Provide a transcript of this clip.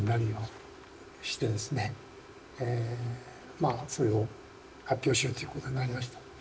まあそれを発表しようということになりました。